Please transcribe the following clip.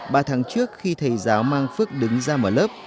ba tháng trước khi thầy giáo mang phước đứng ra mở lớp